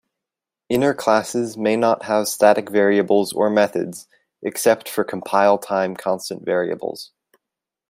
Inner classes may not have static variables or methods, except for compile-time constant variables.